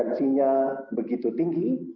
potensinya begitu tinggi